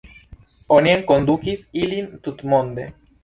Oni enkondukis ilin tutmonde.